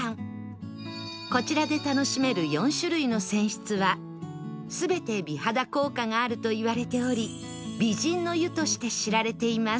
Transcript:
こちらで楽しめる４種類の泉質は全て美肌効果があるといわれており美人の湯として知られています